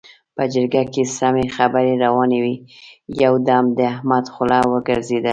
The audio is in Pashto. په جرګه کې سمې خبرې روانې وې؛ يو دم د احمد خوله وګرځېده.